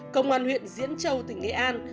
công an huyện diễn châu tỉnh nghệ an